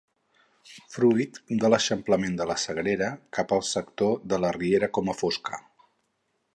Fruit de l'eixamplament de la Sagrera cap al sector de la riera Coma Fosca.